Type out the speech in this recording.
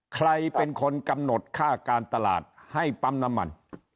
ใครเป็นคนกำหนดค่าการตลาดให้ปั๊มน้ำมัน